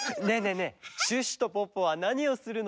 えねえシュッシュとポッポはなにをするの？